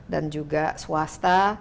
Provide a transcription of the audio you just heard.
dan juga swasta